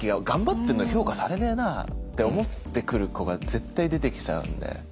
頑張ってんのに評価されねえなって思ってくる子が絶対出てきちゃうんで。